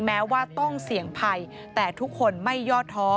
แม้ว่าต้องเสี่ยงภัยแต่ทุกคนไม่ย่อท้อ